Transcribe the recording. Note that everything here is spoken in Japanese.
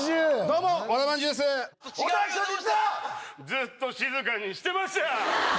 ずっと静かにしてました！